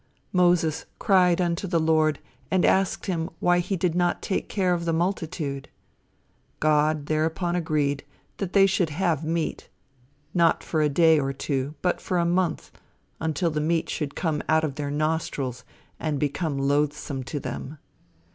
Moses cried unto the Lord and asked him why he did not take care of the multitude. God thereupon agreed that they should have meat, not for a day or two, but for a month, until the meat should come out of their nostrils and become loathsome to them.